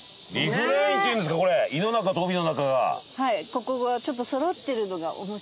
ここがちょっとそろってるのが面白いんですよね。